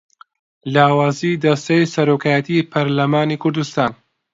لاوازیی دەستەی سەرۆکایەتیی پەرلەمانی کوردستان